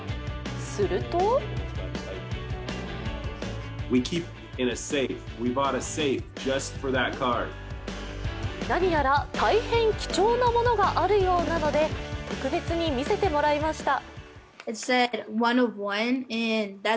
すると何やら、大変貴重なものがあるようなので特別に見せてもらいました。